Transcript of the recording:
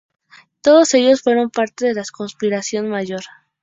Todos ellos fueron parte de la conspiración mayor.